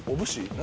何？